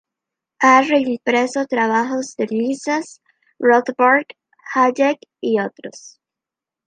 Ha reimpreso trabajos de Mises, Rothbard, Hayek y otros.